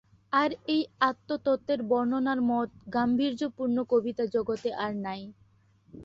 আর এই আত্মতত্ত্বের বর্ণনার মত গাম্ভীর্যপূর্ণ কবিতা জগতে আর নাই।